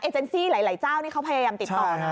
เจนซี่หลายเจ้านี่เขาพยายามติดต่อนะ